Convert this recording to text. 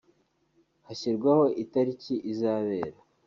hashyirwaho itariki izabera